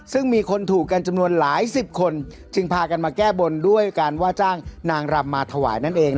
ซึ่งมีคนถูกกันจำนวนหลายสิบคนจึงพากันมาแก้บนด้วยการว่าจ้างนางรำมาถวายนั่นเอง